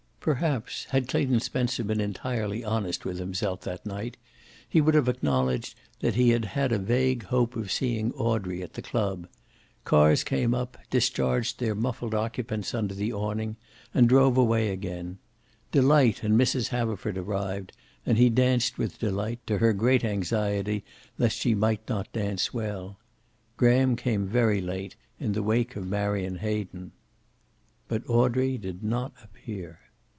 Perhaps, had Clayton Spencer been entirely honest with himself that night, he would have acknowledged that he had had a vague hope of seeing Audrey at the club. Cars came up, discharged their muffled occupants under the awning and drove away again. Delight and Mrs. Haverford arrived and he danced with Delight, to her great anxiety lest she might not dance well. Graham came very late, in the wake of Marion Hayden. But Audrey did not appear.